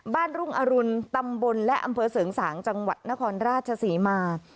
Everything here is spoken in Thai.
รุ่งอรุณตำบลและอำเภอเสริงสางจังหวัดนครราชศรีมา